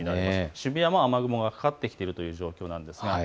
渋谷も雨雲がかかってきているという状況です。